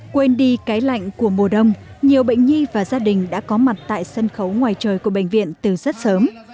quên đi cái lạnh của mùa đông nhiều bệnh nhi và gia đình đã có mặt tại sân khấu ngoài trời của bệnh viện từ rất sớm